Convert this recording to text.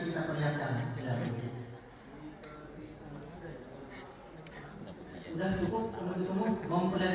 silakan kalau mau barang bukit